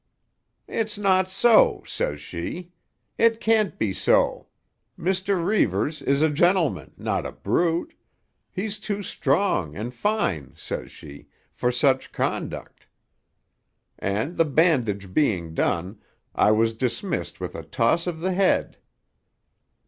"'It's not so,' says she. 'It can't be so. Mr. Reivers is a gentleman, not a brute. He's too strong and fine,' says she, 'for such conduct.' And the bandage being done, I was dismissed with a toss of the head.